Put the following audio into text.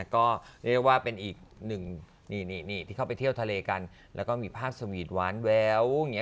ก็เรียกได้ว่าเป็นอีกหนึ่งนี่ที่เข้าไปเที่ยวทะเลกันแล้วก็มีภาพสวีทหวานแวว